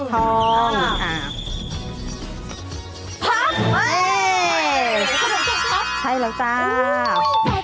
ขนมทรงครับใช่แล้วจ้าอุ๊ย